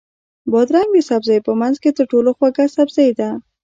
بادرنګ د سبزیو په منځ کې تر ټولو خوږ سبزی ده.